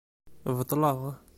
Beṭṭleɣ.